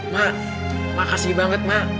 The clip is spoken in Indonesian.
mak makasih banget mak